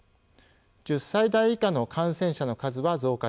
１０歳代以下の感染者の数は増加しています。